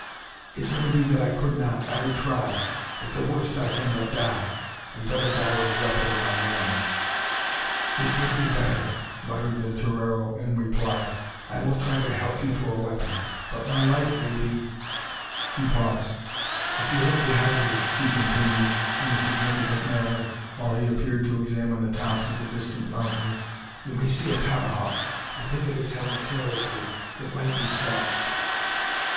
"It may be that I could not. I would try. At the worst, I can but die; and better die with a weapon in my hands!" "It would be better," muttered the torero in reply. "I will try to help you to a weapon, but my life may be " He paused. "If you look behind you," he continued, in a significant manner, while he appeared to examine the tops of the distant mountains, "you may see a tomahawk. I think it is held carelessly. It might be snatched."